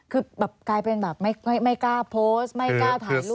คือกลายเป็นแบบไม่กล้าโพสต์ไม่กล้าถ่ายรูปอะไรแบบนั้น